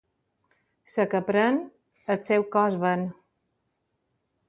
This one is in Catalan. La que pren, el seu cos ven.